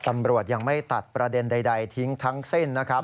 ตำรวจยังไม่ตัดประเด็นใดทิ้งทั้งสิ้นนะครับ